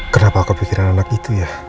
kenapa aku pikiran anak itu ya